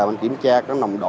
mình kiểm tra cái nồng độ